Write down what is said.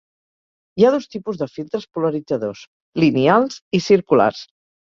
Hi ha dos tipus de filtres polaritzadors: lineals i circulars.